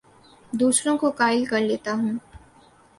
دوسروں کو قائل کر لیتا ہوں